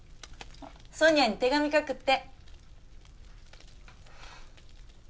ソニアに手紙書くって。